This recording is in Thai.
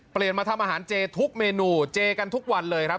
เปลี่ยนมาทำอาหารเจทุกเมนูเจกันทุกวันเลยครับ